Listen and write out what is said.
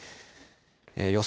予想